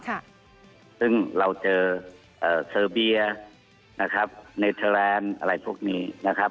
ซึ่งเราเจอเซอร์เบียเนเทอร์แลนด์อะไรพวกนี้นะครับ